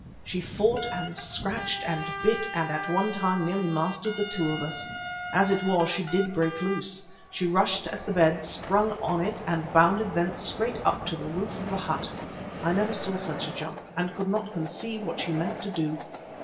She fought and scratched and bit, and at one time nearly mastered the two of us. As it was she did break loose. She rushed at the bed, sprung on it, and bounded thence straight up at the roof of the hut. I never saw such a jump, and could not conceive what she meant to do.